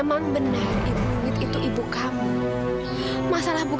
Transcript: ayah itu lagi marah sama ibu